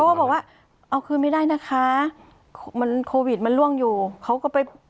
ก็บอกว่าเอาคืนไม่ได้นะคะมันโควิดมันล่วงอยู่เขาก็ไป